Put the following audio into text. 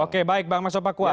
oke baik bang max sopak kua